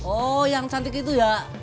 oh yang cantik itu ya